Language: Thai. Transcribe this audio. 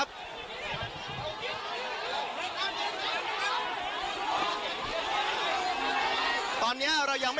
เดี๋ยวมาฟังว่าตำรวจเกิดขึ้นไว้อย่างไรนะฮะ